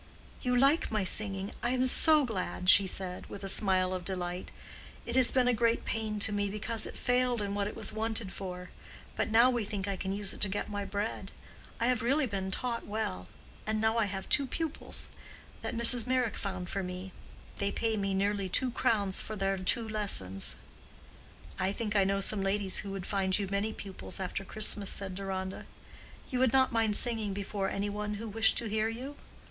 "You like my singing? I am so glad," she said, with a smile of delight. "It has been a great pain to me, because it failed in what it was wanted for. But now we think I can use it to get my bread. I have really been taught well. And now I have two pupils, that Miss Meyrick found for me. They pay me nearly two crowns for their two lessons." "I think I know some ladies who would find you many pupils after Christmas," said Deronda. "You would not mind singing before any one who wished to hear you?"